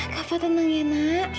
kava tenang ya nak